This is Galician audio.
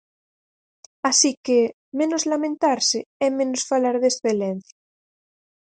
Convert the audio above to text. Así que, menos lamentarse e menos falar de excelencia.